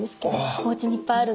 おうちにいっぱいあるので。